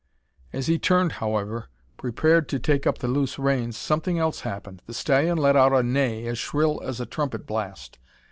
As he turned, however, prepared to take up the loose reins, something else happened. The stallion let out a neigh as shrill as a trumpet blast.